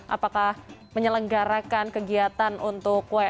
apakah menyelenggarakan kegiatan untuk wni